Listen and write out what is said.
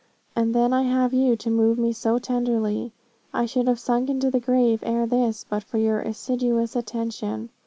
And then I have you to move me so tenderly. I should have sunk into the grave ere this, but for your assiduous attention.